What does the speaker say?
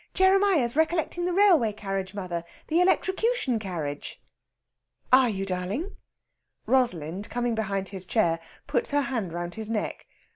Jeremiah's recollecting the railway carriage, mother the electrocution carriage." "Are you, darling?" Rosalind, coming behind his chair, puts her hands round his neck.